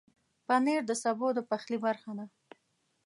پنېر د سبو د پخلي برخه ده.